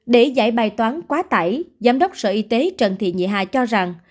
để giải bài toán quá tải giám đốc sở y tế trần thị nhị hà cho rằng